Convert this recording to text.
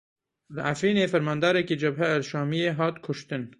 Li Efrînê fermandarekî Cebhe El Şamiyê hat kuştin.